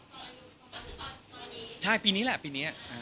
ตอนนี้ใช่ปีนี้แหละปีนี้